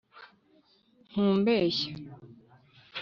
ntumbeshya